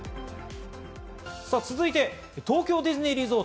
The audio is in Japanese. さぁ続いて、東京ディズニーリゾート。